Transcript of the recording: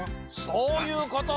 そういうこと！